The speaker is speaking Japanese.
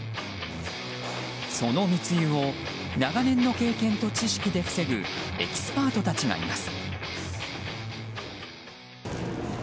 その密輸を長年の経験と知識で防ぐエキスパートたちがいます。